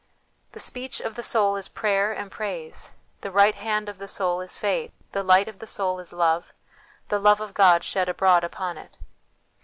The speech of the soul is prayer and praise, .the right hand of the soul is faith, the light of the soul is love, the love of God shed abroad upon it.